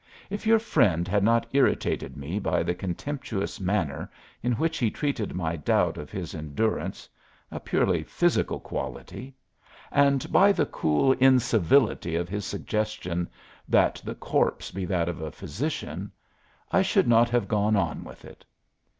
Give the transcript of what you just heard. If your friend had not irritated me by the contemptuous manner in which he treated my doubt of his endurance a purely physical quality and by the cool incivility of his suggestion that the corpse be that of a physician, I should not have gone on with it.